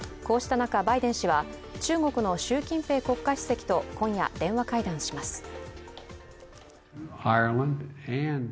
こうした中、バイデン氏は中国の習近平国家主席と今夜、電話会談します。